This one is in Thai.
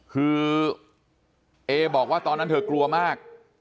คือเอบอกว่าตอนนั้นเธอกลัวมาก